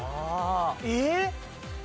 えっ！？